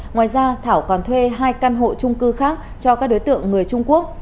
ngoài ra thảo còn thuê hai căn hộ trung cư khác cho các đối tượng người trung quốc